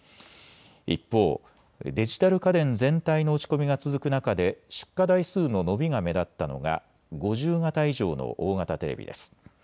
一方、デジタル家電全体の落ち込みが続く中で出荷台数の伸びが目立ったのが５０型以上の大型テレビです。